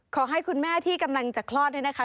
ขอให้คุณแม่ที่กำลังจะคลอดเนี่ยนะคะ